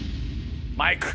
マイク。